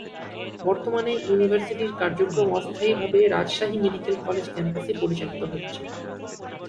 বর্তমানে ইউনিভার্সিটির কার্যক্রম অস্থায়ী ভাবে রাজশাহী মেডিকেল কলেজ ক্যাম্পাসে পরিচালিত হচ্ছে।